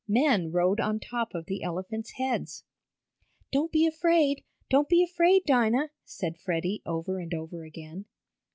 Men rode on top of the elephants' heads. "Don't be afraid! Don't be afraid, Dinah!" said Freddie over and over again.